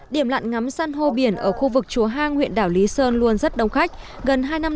điểm lặn ngắm san hô biển ở khu vực chúa hang huyện đảo lý sơn luôn rất đông khách gần hai năm nay